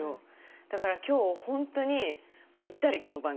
だから今日本当にぴったりこの番組。